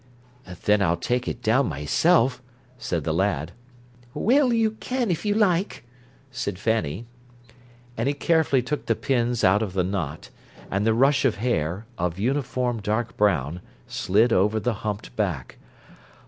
"Then I'll take it down myself," said the lad. "Well, you can if you like," said Fanny. And he carefully took the pins out of the knot, and the rush of hair, of uniform dark brown, slid over the humped back.